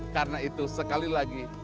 karena itu sekali lagi